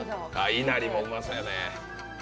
いなりもうまそうやね。